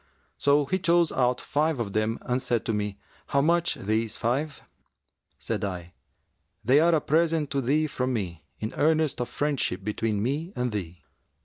So he chose out five of them and said to me, 'How much these five?' Said I, 'They are a present to thee from me in earnest of friendship between me and thee.'